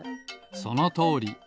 そのとおり。